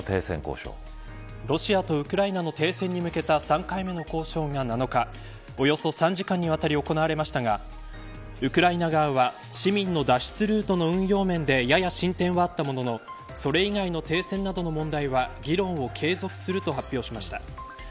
ロシアとウクライナの停戦に向けた３回目の交渉が７日およそ３時間にわたり行われましたがウクライナ側は市民の脱出ルートの運用面でやや進展はあったもののそれ以外の停戦などの問題は議論を継続すると発表しました。